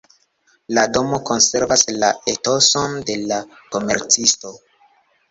La domo konservas la etoson de la komercisto.